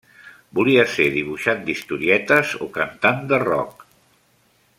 Volia ser dibuixant d'historietes o cantant de rock.